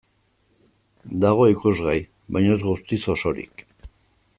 Dago ikusgai, baina ez guztiz osorik.